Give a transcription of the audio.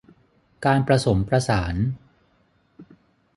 การประสมประสาน